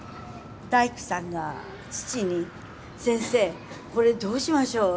大工さんが父に「先生これどうしましょう？」。